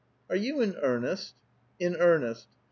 '" Are you in earnest?" '' In earnest."